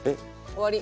終わり？